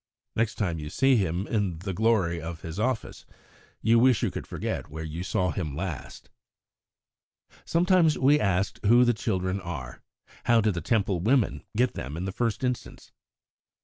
Next time you see him in the glory of his office, you wish you could forget where you saw him last. Sometimes we are asked who the children are. How do the Temple women get them in the first instance?